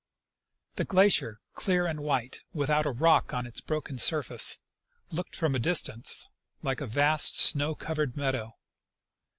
The glacier, clear and white, without a rock on its broken sur face, looked from a little distance like a vast snow covered meadow.